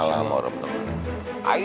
waalaikumsalam warahmatullahi wabarakatuh